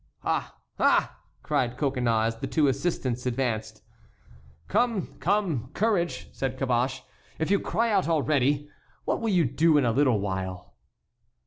"Ah! ah!" cried Coconnas, as the two assistants advanced. "Come! come! Courage," said Caboche, "if you cry out already, what will you do in a little while?"